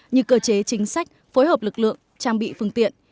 như cơ chế chính sách phối hợp lực lượng trang bị phương tiện